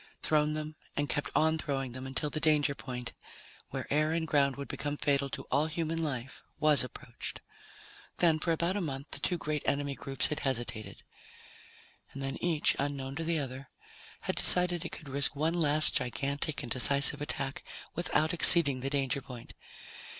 Thrown them and kept on throwing until the danger point, where air and ground would become fatal to all human life, was approached. Then, for about a month, the two great enemy groups had hesitated. And then each, unknown to the other, had decided it could risk one last gigantic and decisive attack without exceeding the danger point.